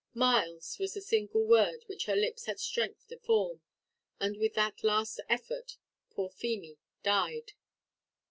"Myles" was the single word which her lips had strength to form; and with that last effort poor Feemy died.